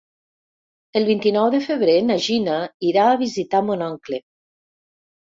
El vint-i-nou de febrer na Gina irà a visitar mon oncle.